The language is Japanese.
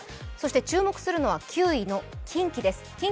そして注目するのは９位のキンキです。